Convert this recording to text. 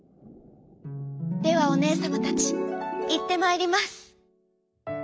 「ではおねえさまたちいってまいります」。